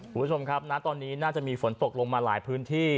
คุณผู้ชมครับณตอนนี้น่าจะมีฝนตกลงมาหลายพื้นที่